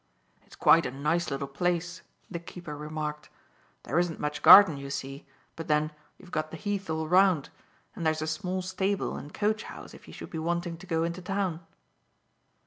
"It's quite a nice little place," the keeper remarked. "There isn't much garden, you see, but then, you've got the Heath all around; and there's a small stable and coachhouse if you should be wanting to go into town."